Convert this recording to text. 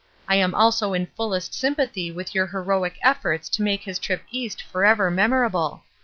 I am also in fullest sympathy with your heroic efforts to make his trip East forever memorable.